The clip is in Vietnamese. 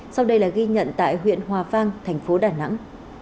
sau đây là ghi nhận tại huyện hòa vang thành phố đà nẵng